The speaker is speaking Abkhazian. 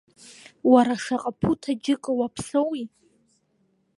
Уара шаҟа ԥуҭ аџьыка уаԥсоуи?